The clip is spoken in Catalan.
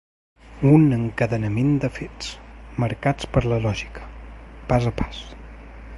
Un encadenament de fets, marcats per la lògica, pas a pas.